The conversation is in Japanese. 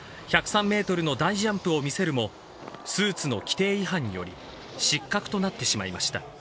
１０３メートルの大ジャンプを見せるも、スーツの規定違反により、失格となってしまいました。